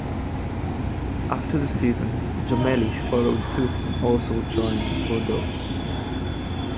After the season, Jammeli followed suit and also joined Bordeaux.